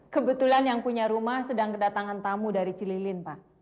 kebetulan yang punya rumah sedang kedatangan tamu dari cililin pak